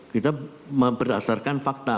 kita berdasarkan fakta